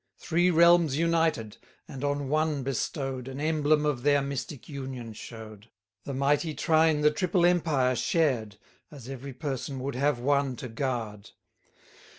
30 Three realms united, and on one bestow'd, An emblem of their mystic union show'd: The Mighty Trine the triple empire shared, As every person would have one to guard.